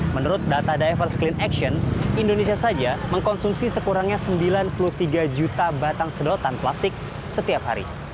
menurut data divers clean action indonesia saja mengkonsumsi sekurangnya sembilan puluh tiga juta batang sedotan plastik setiap hari